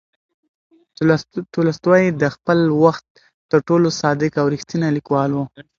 تولستوی د خپل وخت تر ټولو صادق او ریښتینی لیکوال و.